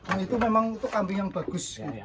oh itu memang itu kambing yang bagus